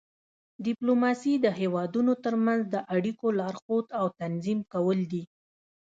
ډیپلوماسي د هیوادونو ترمنځ د اړیکو لارښود او تنظیم کول دي